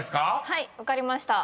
はい分かりました。